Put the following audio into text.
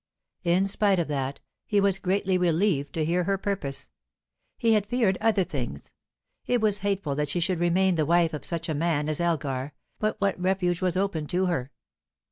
In spite of that, he was greatly relieved to hear her purpose. He had feared other things. It was hateful that she should remain the wife of such a man as Elgar, but what refuge was open to her?